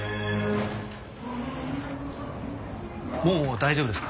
もう大丈夫ですか？